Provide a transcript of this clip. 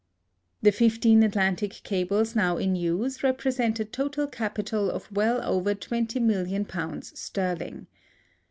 _ The fifteen Atlantic cables now in use represent a total capital of well over £20,000,000 sterling.